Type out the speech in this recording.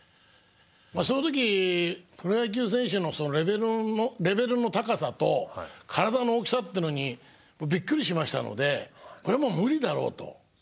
その時プロ野球選手のレベルの高さと体の大きさっていうのにびっくりしましたのでこれもう無理だろうと。